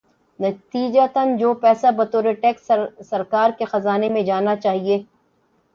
نتیجتا جو پیسہ بطور ٹیکس سرکار کے خزانے میں جانا چاہیے۔